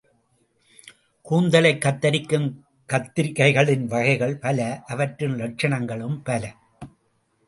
கூந்தலைக் கத்தரிக்கும் கத்தரிகைகளின் வகைகள் பல, அவற்றின் இலட்சணங்களும் பல.